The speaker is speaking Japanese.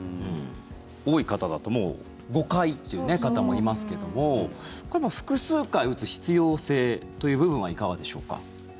多い方だともう５回という方もいますけども複数回打つ必要性という部分はいかがでしょうか。